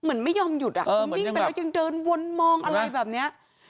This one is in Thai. ไม่ยอมหยุดอ่ะคือนิ่งไปแล้วยังเดินวนมองอะไรแบบนี้